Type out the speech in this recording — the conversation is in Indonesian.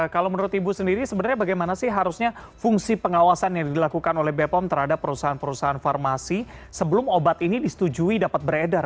kalau menurut ibu sendiri sebenarnya bagaimana sih harusnya fungsi pengawasan yang dilakukan oleh bepom terhadap perusahaan perusahaan farmasi sebelum obat ini disetujui dapat beredar